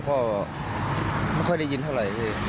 เพราะว่าไม่ค่อยได้ยินเท่าไหร่